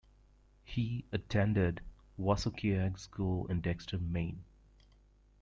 He attended Wassookeag School in Dexter, Maine.